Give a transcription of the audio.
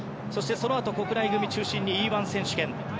そしてそのあと国内組中心にＥ‐１選手権。